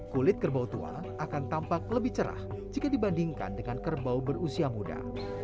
kulit kerbau tua akan tampak lebih cerah jika dibandingkan dengan kerbau berusia muda